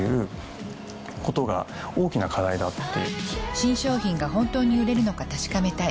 新商品が本当に売れるのか確かめたい